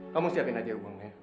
kamu siapin aja uangnya